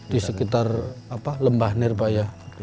di sekitar lembah nirbaya